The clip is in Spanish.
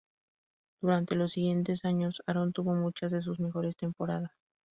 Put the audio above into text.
Durante los siguientes años, Aaron tuvo muchas de sus mejores temporadas.